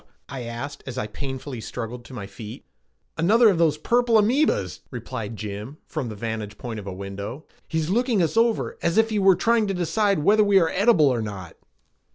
I asked as I painfully struggled to my feet. "Another of those purple amoebas," replied Jim from the vantage point of a window. "He's looking us over as if he were trying to decide whether we are edible or not."